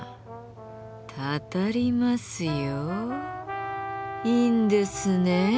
たたりますよいいんですね？